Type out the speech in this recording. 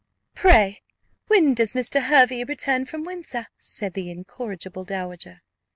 "Pray when does Mr. Hervey return from Windsor?" said the incorrigible dowager.